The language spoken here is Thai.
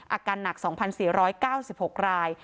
อาการหนัก๒๔๙๖ราย